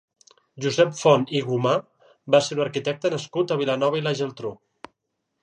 Josep Font i Gumà va ser un arquitecte nascut a Vilanova i la Geltrú.